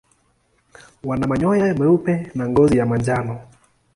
Wana manyoya meupe na ngozi ya manjano.